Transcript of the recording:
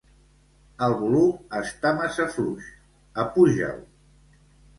El volum està massa fluix; apuja'l.